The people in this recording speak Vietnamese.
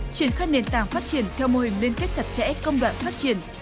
triển khai nền tảng phát triển theo mô hình liên kết chặt chẽ công đoạn phát triển